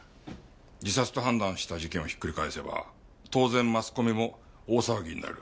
自殺と判断した事件をひっくり返せば当然マスコミも大騒ぎになる。